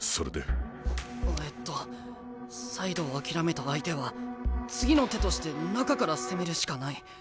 えっとサイドを諦めた相手は次の手として中から攻めるしかない。